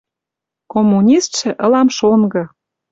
Коммунистшӹ ылам шонгы.